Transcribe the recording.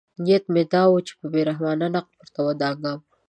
نیت مې دا و چې بې رحمانه نقد ته ورودانګم.